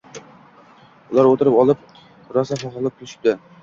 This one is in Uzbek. Ular o’tirib olib, rosa xoholab kulishibdi